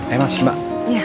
eh mas mbak